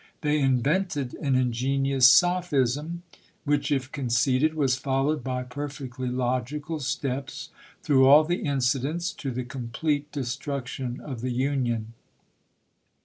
They invented an ingenious sophism, which, if conceded, was followed by perfectly logical steps, through all the incidents to the complete destruction of the Union.